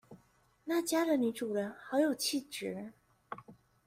那家的女主人好有氣質